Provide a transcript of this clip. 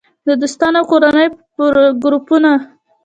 - د دوستانو او کورنۍ ګروپونه